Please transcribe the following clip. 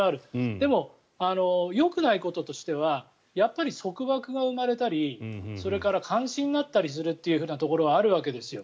でも、よくないこととしてはやっぱり束縛が生まれたりそれから監視になったりということもあるわけですよ。